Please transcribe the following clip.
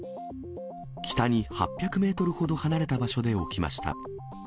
北に８００メートルほど離れた場所で起きました。